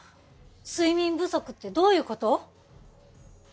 睡眠不足ってどういうこと？